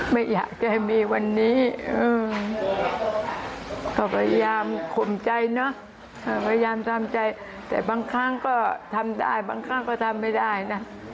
ไม่อยากจะมีวันนี้ก็พยายามข่มใจเนอะพยายามทำใจแต่บางครั้งก็ทำได้บางครั้งก็ทำไม่ได้นะ